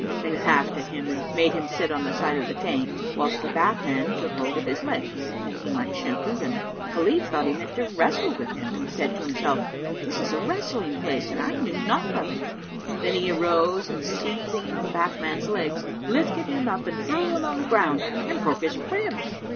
They laughed at him and made him sit on the side of the tank, whilst the bathman took hold of his legs, that he might shampoo them. Khalif thought he meant to wrestle with him and said to himself, "This is a wrestling place[FN#292] and I knew naught of it." Then he arose and seizing the bathman's legs, lifted him up and threw him on the ground and broke his ribs.